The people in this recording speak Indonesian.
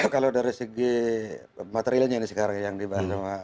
kalau dari segi materialnya ini sekarang yang dibahas sama